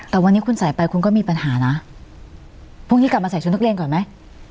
แต่วันนี้คุณใส่ไปคุณก็มีปัญหานะพรุ่งนี้กลับมาใส่ชุดนักเรียนก่อนไหม